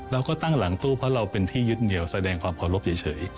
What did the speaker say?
เราก็ตั้งหลังตู้เพราะเราเป็นที่ยึดเหนียวแสดงความเคารพเฉย